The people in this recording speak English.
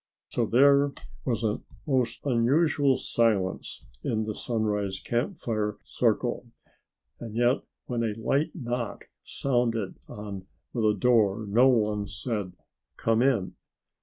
So there was a most unusual silence in the Sunrise Camp Fire circle and yet when a light knock sounded on the door no one said "Come in."